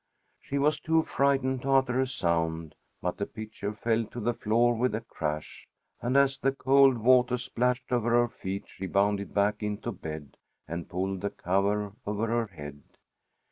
She was too frightened to utter a sound, but the pitcher fell to the floor with a crash, and as the cold water splashed over her feet she bounded back into bed and pulled the cover over her head.